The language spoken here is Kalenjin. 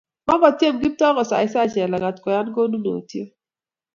mokotiem Kiptoo kosaisai Jelagat koyan konunoteng'